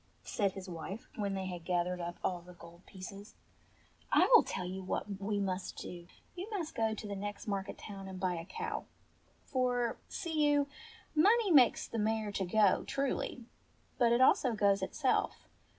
said his wife when they had gathered up all the gold pieces, " I will tell you what we must do. You must go to the next market town and buy a cow ; for, see you, money makes the mare to go, truly ; but it also goes itself.